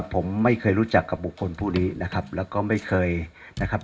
ผมไม่เคยรู้จักกับบุคคลผู้นี้นะครับแล้วก็ไม่เคยนะครับ